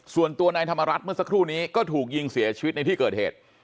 ส่วนตัวนายธรรมรัฐเมื่อสักครู่นี้ก็ถูกยิงเสียชีวิตในที่เกิดเหตุ